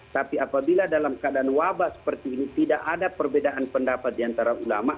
tapi apabila dalam keadaan wabah seperti ini tidak ada perbedaan pendapat diantara ulama